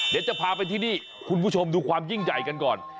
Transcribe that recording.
เดี๋ยวจะพาไปที่นี่คุณผู้ชมดูความยิ่งใหญ่กันก่อน